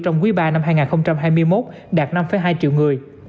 trong quý ba năm hai nghìn hai mươi một đạt năm hai triệu người